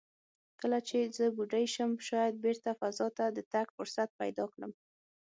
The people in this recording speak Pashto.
کله چې زه بوډۍ شم، شاید بېرته فضا ته د تګ فرصت پیدا کړم."